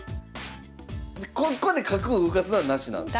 ここで角を動かすのはなしなんですね？